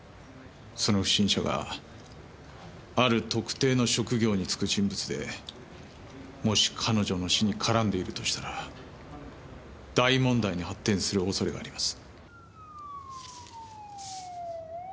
その不審者がある特定の職業に就く人物でもし彼女の死に絡んでいるとしたら大問題に発展する恐れがあります。